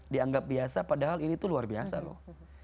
dianggap biasa padahal ini tuh luar biasa loh